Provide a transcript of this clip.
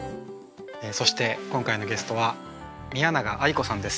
そして今回のゲストは宮永愛子さんです。